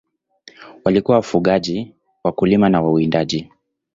Walikuwa wafugaji, wakulima na wawindaji.